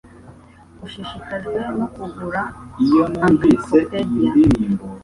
Ushishikajwe no kugura encyclopedia?